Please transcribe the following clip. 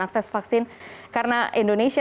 akses vaksin karena indonesia